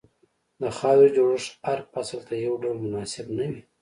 د خاورې جوړښت هر فصل ته یو ډول مناسب نه وي.